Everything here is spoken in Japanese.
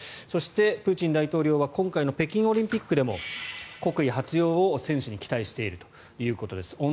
そして、プーチン大統領は今回の北京オリンピックでも国威発揚を選手に期待しているということです。